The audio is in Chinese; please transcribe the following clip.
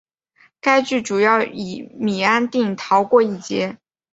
该剧主要以米安定逃过一劫。